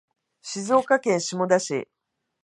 静岡県下田市